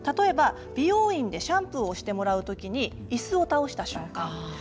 美容院でシャンプーをしてもらう時にいすを倒した瞬間。